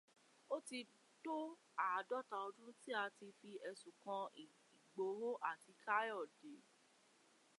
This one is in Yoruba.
O ti tó àádọ́ta ọdún tí a ti fi ẹ̀sùn kan Ìgbòho àti Káyọ̀dé